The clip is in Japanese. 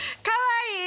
かわいい？